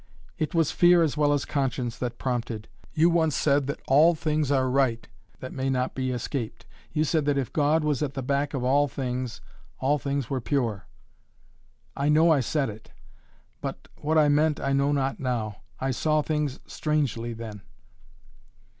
"It was fear as well as conscience that prompted. You once said that all things are right, that may not be escaped. You said, that if God was at the back of all things, all things were pure " "I know I said it! But, what I meant, I know not now. I saw things strangely then."